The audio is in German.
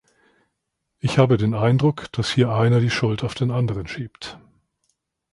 Ich habe den Eindruck, dass hier einer die Schuld auf den anderen schiebt.